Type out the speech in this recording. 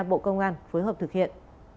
bộ công an phối hợp thực hiện